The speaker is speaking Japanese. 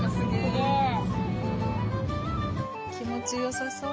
気持ちよさそう。